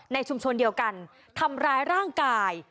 ในชุมชนเดียวกันทำร้ายร่างกาย